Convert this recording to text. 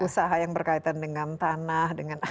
pertama ini kalau yang berkaitan dengan tanah dengan api dengan logam